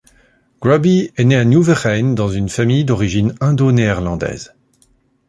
Grubby est né à Nieuwegein dans une famille d'origine indo-néerlandaise.